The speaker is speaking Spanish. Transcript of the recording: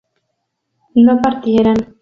no partieran